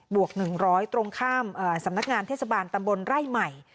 บวกหนึ่งร้อยตรงข้ามสำนักงานเทศบาลตำบลไร่ใหม่